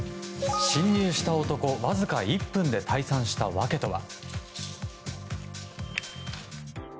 侵入した男わずか１分で退散したわけとは。